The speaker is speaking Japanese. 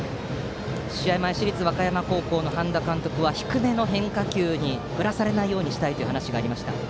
試合前市立和歌山高校の半田監督は低めの変化球に振らされないようにしたいという話がありました。